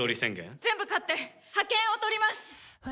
全部勝ってハケンを取ります」